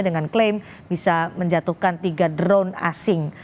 dengan klaim bisa menjatuhkan tiga drone asing